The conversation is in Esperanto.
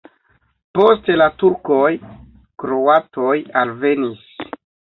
Post la turkoj kroatoj alvenis.